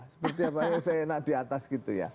seperti apanya saya enak di atas gitu ya